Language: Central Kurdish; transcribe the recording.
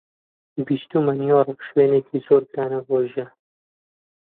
بیستوومە نیویۆرک شوێنێکی زۆر گرانە بۆ ژیان.